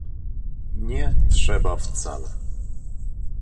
"Nie trzeba wcale."